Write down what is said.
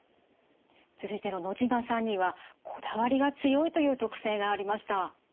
続いての野島さんにはこだわりが強いという特性がありました。